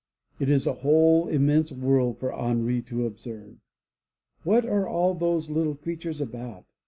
It is a whole immense world for Henri to observe. What are all those little creatures about?